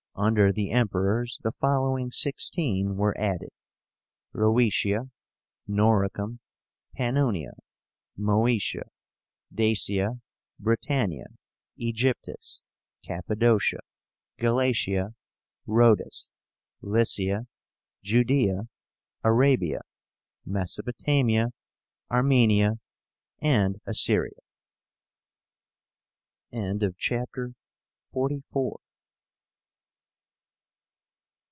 Under the Emperors the following sixteen were added: Rhoetia, Noricum, Pannonia, Moesia, Dacia, Britannia, Aegyptus, Cappadocia, Galatia, Rhodus, Lycia, Judaea, Arabia, Mesopotamia. Armenia, and Assyria. CHAPTER XLV.